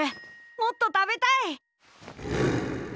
もっと食べたい！